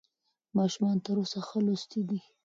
ماشومان تر اوسه ښه لوستي دي.